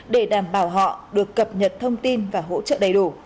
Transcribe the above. để đảm bảo họ được cập nhật thông tin và hỗ trợ đầy đủ